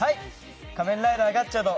「仮面ライダーガッチャード」